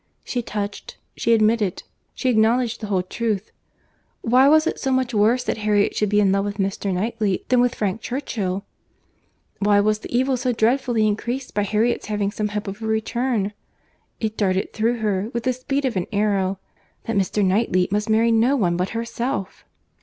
She touched—she admitted—she acknowledged the whole truth. Why was it so much worse that Harriet should be in love with Mr. Knightley, than with Frank Churchill? Why was the evil so dreadfully increased by Harriet's having some hope of a return? It darted through her, with the speed of an arrow, that Mr. Knightley must marry no one but herself!